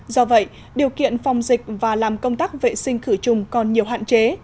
do vậy điều kiện phòng dịch và làm công tác vệ sinh khử trùng còn nhiều hạn chế